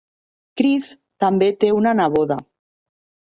Chris també té una neboda.